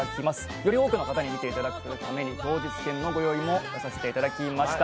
寄り多くの方に見ていただくために当日券のご用意もさせていただきました。